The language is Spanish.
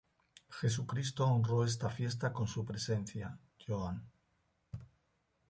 Jesucristo honró esta fiesta con su presencia, "Joan.